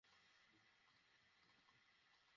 সকালে দেখা করব।